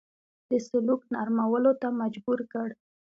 د سلوک نرمولو ته مجبور کړ.